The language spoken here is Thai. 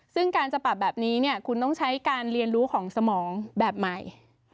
ซึ่งการจะปรับแบบนี้เนี่ยคุณต้องใช้การเรียนรู้ของสมองแบบใหม่